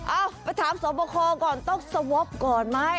เอาไปถามสอบคอก่อนต้องสวอปก่อนไหม